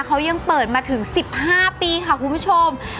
เขายังเปิดมาถึง๑๕ปีค่ะคุณผู้ชม